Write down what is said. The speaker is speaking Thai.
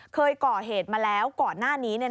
เคยก่อเหตุมาแล้วก่อนหน้านี้